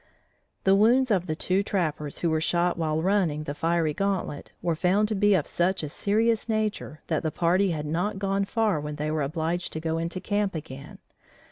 The wounds of the two trappers who were shot while running the fiery gauntlet, were found to be of such a serious nature that the party had not gone far when they were obliged to go into camp again.